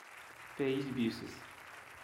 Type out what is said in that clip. Pace Buses